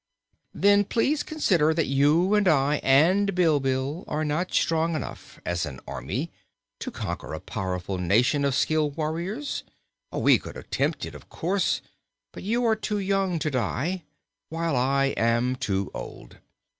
"Then please consider that you and I and Bilbil are not strong enough, as an army, to conquer a powerful nation of skilled warriors. We could attempt it, of course, but you are too young to die, while I am too old.